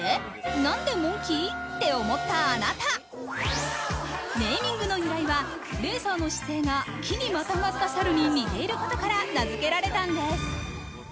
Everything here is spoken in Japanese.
なんでモンキー？」って思ったあなた、ネーミングの由来は、レーサーの姿勢が木にまたがった猿に似ていることから名づけられたんです。